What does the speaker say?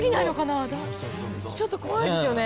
ちょっと怖いですよね。